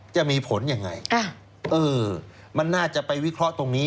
จะมีผลยังไงเออมันน่าจะไปวิเคราะห์ตรงนี้